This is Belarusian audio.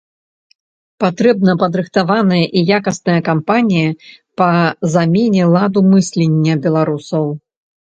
Патрэбна падрыхтаваная і якасная кампанія па змене ладу мыслення беларусаў.